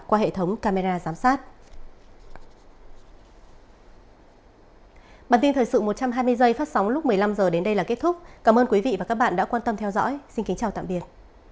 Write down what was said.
qua hệ thống camera giám sát